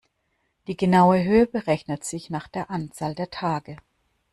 Die genaue Höhe berechnet sich nach der Anzahl der Tage.